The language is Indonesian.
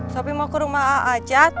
sopi mau ke rumah a ajat